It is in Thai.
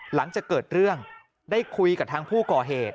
หลังจากเกิดเรื่องได้คุยกับทางผู้ก่อเหตุ